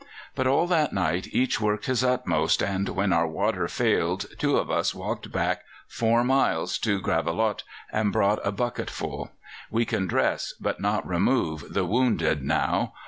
But all that night each worked his utmost, and when our water failed two of us walked back four miles to Gravelotte and brought a bucketful. We can dress, but not remove, the wounded now.